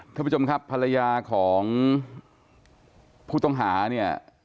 ท่านผู้ชมครับภรรยาของผู้ต้องหาเนี่ย